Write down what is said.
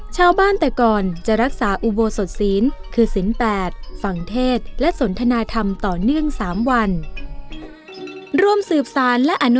ชาวบ้านแต่ก่อนจะรักษาอุโบสถศีลคือศิลป์๘ฝั่งเทศและสนทนาธรรมต่อเนื่อง๓วัน